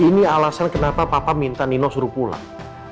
ini alasan kenapa papa minta nino suruh pulang